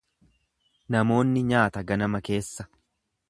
Namoonni nyaata ganama keessa.